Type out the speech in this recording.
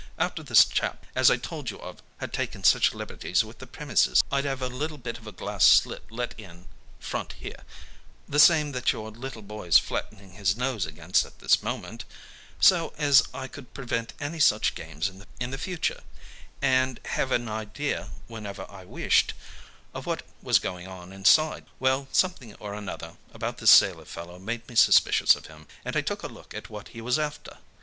After this chap as I told you of had taken such liberties with the premises I'd had a little bit of a glass slit let in in front here the same that your little boy's flattening his nose against at this moment so as I could prevent any such games in the future, and have an idea, whenever I wished, of what was going on inside. Well, something or another about this sailor fellow made me suspicious of him, and I took a look at what he was after.